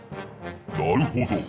なるほど。